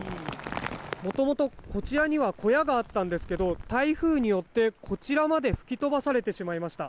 元々、こちらには小屋があったんですけど台風によって、こちらまで吹き飛ばされてしまいました。